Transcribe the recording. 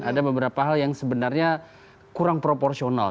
ada beberapa hal yang sebenarnya kurang proporsional